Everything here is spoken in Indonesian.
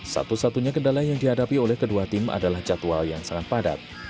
satu satunya kendala yang dihadapi oleh kedua tim adalah jadwal yang sangat padat